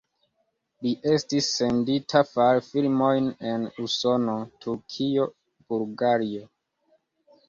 Li estis sendita fari filmojn en Usono, Turkio, Bulgario.